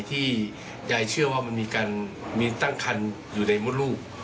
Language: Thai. ที่ยายเชื่อว่ามันมีการมีตั้งคันอยู่ในมดลูก